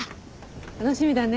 楽しみだね。